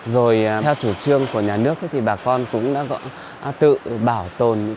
rồi theo chủ trương của nhà nước thì bà con cũng đã tự bảo tồn